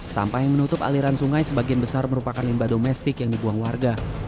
sampah yang menutup aliran sungai sebagian besar merupakan limbah domestik yang dibuang warga